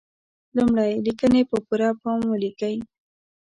لمړی: لیکنې په پوره پام ولیکئ.